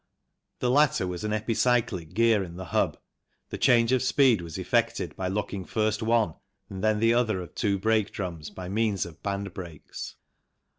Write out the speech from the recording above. The latter was an epicyclic gear in the hub, the change of speed was effected by locking first one and then the other of two brake drums by means of band brakes.